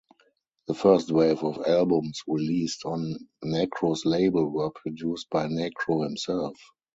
The first wave of albums released on Necro's label were produced by Necro himself.